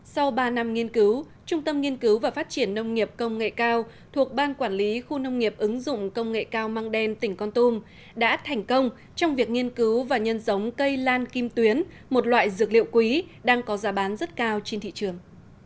sau ba năm nghiên cứu trung tâm nghiên cứu và phát triển nông nghiệp công nghệ cao thuộc ban quản lý khu nông nghiệp ứng dụng công nghệ cao mang đen tỉnh con tum đã thành công trong việc nghiên cứu và nhân giống cây lan kim tuyến một loại dược liệu quý đang có giá bán rất cao trên thị trường